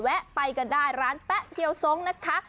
แวะไปก็ได้ร้านแป๊ะเที่ยวสงส์นะคะ